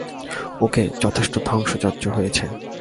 ওকে, যথেষ্ট ধ্বংসযজ্ঞ হয়েছে।